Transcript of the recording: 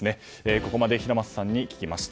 ここまで平松さんに聞きました。